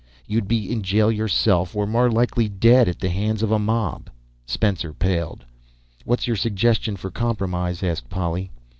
You'd be in jail yourself or more likely dead at the hands of a mob!" Spencer paled. "What's your suggestion for compromise?" asked Polly.